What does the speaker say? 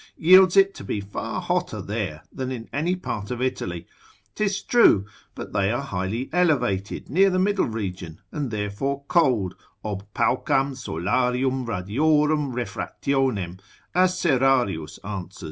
yields it to be far hotter there than in any part of Italy: 'tis true; but they are highly elevated, near the middle region, and therefore cold, ob paucam solarium radiorum refractionem, as Serrarius answers, com.